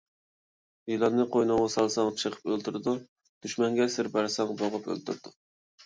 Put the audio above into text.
يىلاننى قوينۇڭغا سالساڭ، چېقىپ ئۆلتۈرىدۇ، دۈشمەنگە سىر بەرسەڭ بوغۇپ ئۆلتۈرىدۇ.